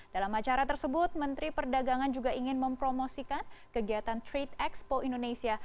dalam acara tersebut menteri perdagangan juga ingin mempromosikan kegiatan trade expo indonesia